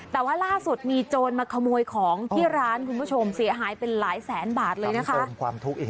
แต่ว่าล่าสุดมีโจรมาขโมยของที่ร้านคุณผู้ชมเสียหายเป็นหลายแสนบาทเลยนะคะ